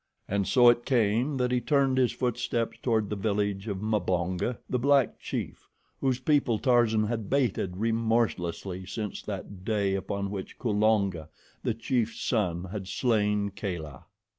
And so it came that he turned his footsteps toward the village of Mbonga, the black chief, whose people Tarzan had baited remorselessly since that day upon which Kulonga, the chief's son, had slain Kala.